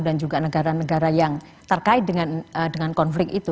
dan juga negara negara yang terkait dengan konflik itu